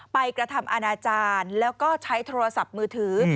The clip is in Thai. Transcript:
กระทำอาณาจารย์แล้วก็ใช้โทรศัพท์มือถือ